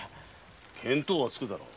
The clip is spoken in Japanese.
見当はつくだろう。